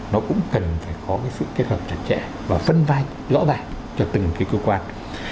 nó cũng cần phải có cái sự kết hợp chặt chẽ và phân vai rõ ràng cho từng cái cơ quan